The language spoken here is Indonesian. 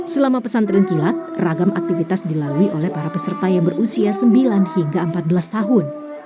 selama pesantren kilat ragam aktivitas dilalui oleh para peserta yang berusia sembilan hingga empat belas tahun